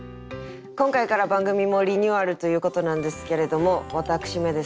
今回から番組もリニューアルということなんですけれども私めですね